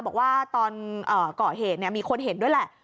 บอกว่าตอนเกาะเหตุมีคนเห็นด้วยแหละ